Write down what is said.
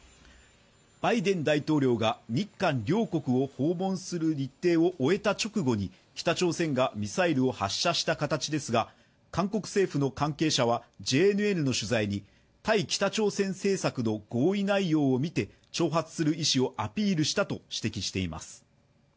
バイデン大統領が日韓両国を訪問する日程を終えた直後に北朝鮮がミサイルを発射した形ですが韓国政府の関係者はＪＮＮの取材に対北朝鮮政策の合意内容を見て挑発する意思をアピールしたと指摘しています。